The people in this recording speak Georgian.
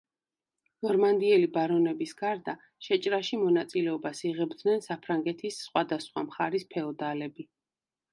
ნორმანდიელი ბარონების გარდა, შეჭრაში მონაწილეობას იღებდნენ საფრანგეთის სხვადასხვა მხარის ფეოდალები.